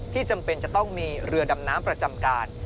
จำเป็นจะต้องมีเรือดำน้ำประจำการ